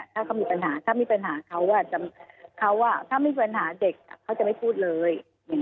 ถ้ามีปัญหาเขาถ้ามีปัญหาเด็กเขาจะไม่พูดเลย